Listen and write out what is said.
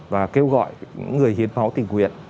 và kêu gọi người hiên máu tình nguyện